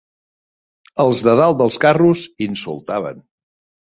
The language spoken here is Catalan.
Els de dalt dels carros insultaven